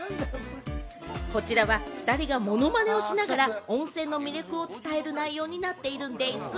こちらはお２人がモノマネをしながら温泉の魅力を伝える内容になっているんでぃす！